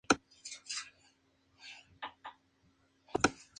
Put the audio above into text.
A tus registros.